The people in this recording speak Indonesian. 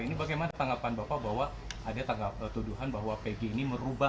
ini bagaimana tanggapan bapak bahwa ada tanggapan tuduhan bahwa pegi ini menangkap bondol